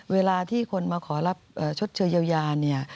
เวลาที่คนมาขอรับชดเชื้อเยียวยา